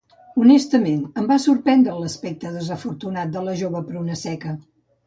Honestament, em va sorprendre l'aspecte desafortunat de la jove pruna seca.